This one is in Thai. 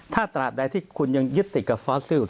ถ้าตราบใดที่คุณยังยึดติดกับฟอสซิล